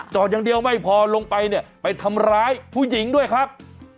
อย่างเดียวไม่พอลงไปเนี่ยไปทำร้ายผู้หญิงด้วยครับ